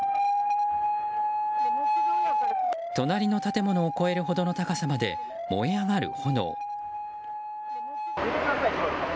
隣の建物を超える高さまで燃え上がる炎。